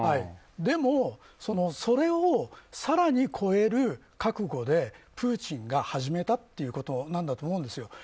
でも、それを更に超える覚悟でプーチンが始めたということなんだと思うんですよ。